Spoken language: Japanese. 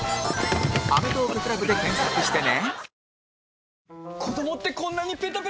「アメトーーク ＣＬＵＢ」で検索してね